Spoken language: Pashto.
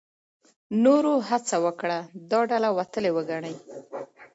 نورو هڅه وکړه دا ډله وتلې وګڼي.